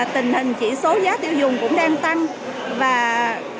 tình hình chỉ số giá tiêu dùng cũng đang tăng và